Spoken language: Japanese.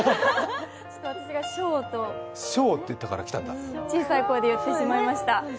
私が「しょう」と小さい声で言ってしまいました。